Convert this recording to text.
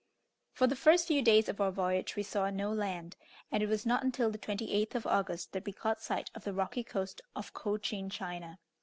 For the first few days of our voyage we saw no land, and it was not until the 28th of August that we caught sight of the rocky coast of Cochin China.